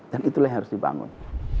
dan itulah yang harus dibangun